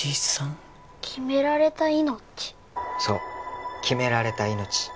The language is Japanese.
そう決められた命。